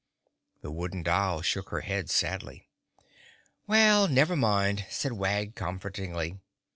The Wooden Doll shook her head sadly. "Well, never mind," said Wag comfortingly.